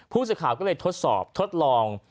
ผู้สื่อข่าวก็เลยทดสอบทดลอง